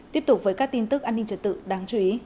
tiếp tục với các tin tức an ninh trật tự đáng chú ý